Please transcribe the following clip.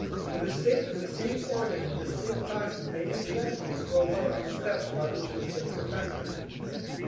But the state of the same organ in distinct classes may incidentally throw light on the steps by which it has been perfected.